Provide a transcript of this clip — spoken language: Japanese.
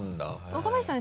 若林さん